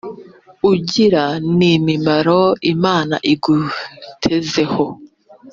ugire n' imimaro imana igutezeho.